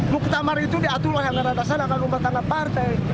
muktamar itu diaturlah yang terhadap saya yang terhadap partai